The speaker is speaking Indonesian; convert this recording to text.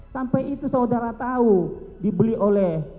sampai itu saudara tahu dibeli oleh